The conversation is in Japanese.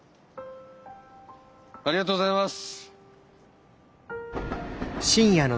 ありがとうございます。